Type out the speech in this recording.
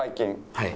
はい。